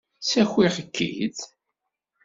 Ssakiɣ-k-id?